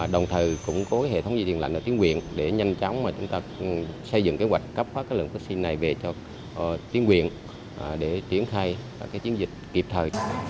đồng thời cũng có hệ thống dịch truyền lạnh ở tiến quyền để nhanh chóng xây dựng kế hoạch cấp phát các loại vắc xin này về cho tiến quyền để triển khai chiến dịch kịp thời